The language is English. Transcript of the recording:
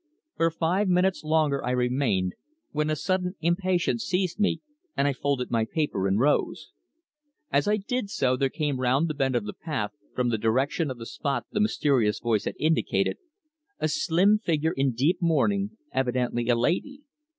For five minutes longer I remained, when a sudden impatience seized me, and I folded my paper and rose. As I did so there came round the bend of the path, from the direction of the spot the mysterious voice had indicated, a slim figure in deep mourning, evidently a lady.